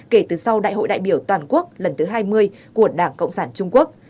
kể từ sau đại hội đại biểu toàn quốc lần thứ hai mươi của đảng cộng sản trung quốc